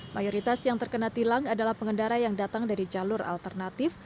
mayoritas yang terkena tilang adalah pengendara yang datang dari jalur alternatif